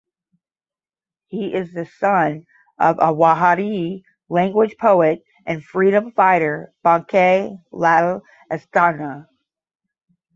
He is the son of Awadhi language poet and freedom fighter Banke Lal Asthana.